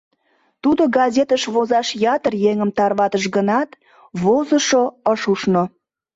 Тудо газетыш возаш ятыр еҥым тарватыш гынат, возышо ыш ушно.